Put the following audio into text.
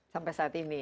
sampai saat ini ya